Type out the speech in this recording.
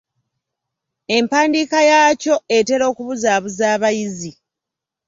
Empandiika yaakyo etera okubuzaabuza abayizi.